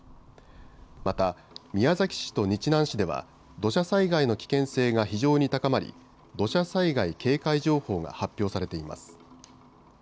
また宮崎市と日南市では土砂災害の危険性が非常に高まり土砂災害警戒情報が発表されています。